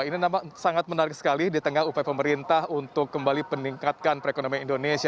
ini sangat menarik sekali di tengah upaya pemerintah untuk kembali peningkatkan perekonomian indonesia